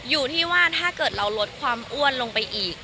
อยู่ที่ว่าถ้าเกิดเราลดความอ้วนลงไปอีก